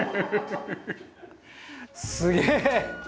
すげえ。